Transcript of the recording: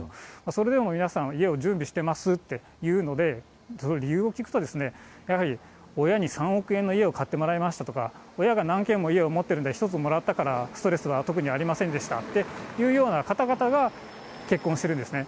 それでも皆さんは家を準備してますって言うので、その理由を聞くとですね、やはり親に３億円の家を買ってもらいましたとか、親が何軒も家を持ってるんで１つもらったから、ストレスは特にありませんでしたっていうような、方々が結婚してるんですね。